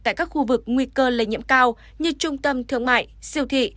tại các khu vực nguy cơ lây nhiễm cao như trung tâm thương mại siêu thị